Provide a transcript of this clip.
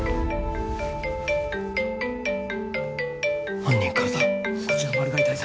犯人からだこちらマル害対策